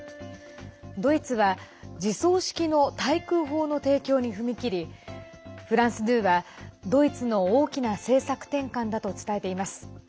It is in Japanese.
ドイツは、自走式の対空砲の提供に踏み切りフランス２はドイツの大きな政策転換だと伝えています。